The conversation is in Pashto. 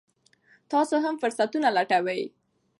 تاسو هم فرصتونه لټوئ.